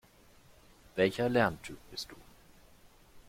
Welcher Lerntyp bist du?